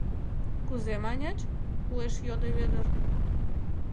— Кузе маньыч? — уэш йодо Вӧдыр.